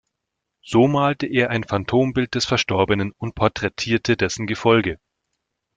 So malte er ein Phantombild des Verstorbenen und porträtierte dessen Gefolge.